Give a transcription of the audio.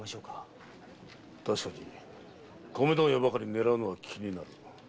たしかに米問屋ばかり狙うのは気になる。